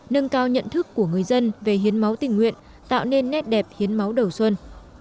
nâng cao nhận thức của người dân về hiến máu tình nguyện tạo nên nét đẹp hiến máu đầu xuân